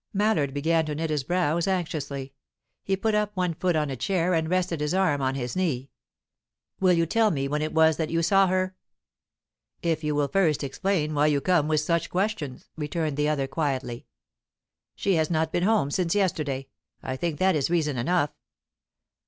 Mallard began to knit his brows anxiously. He put up one foot on a chair, and rested his arm on his knee. "Will you tell me when it was that you saw her?" "If you will first explain why you come with such questions," returned the other, quietly. "She has not been home since yesterday; I think that is reason enough."